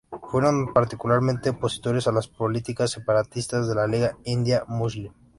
Fueron particularmente opositores a las políticas separatistas de la Liga India Muslim.